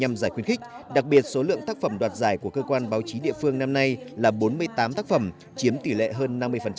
nhằm giải khuyến khích đặc biệt số lượng tác phẩm đoạt giải của cơ quan báo chí địa phương năm nay là bốn mươi tám tác phẩm chiếm tỷ lệ hơn năm mươi